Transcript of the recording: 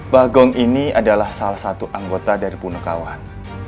bagong ini adalah salah satu anggota dari punekawan